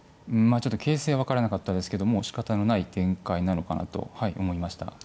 ちょっと形勢分からなかったですけどもしかたのない展開なのかなと思いました。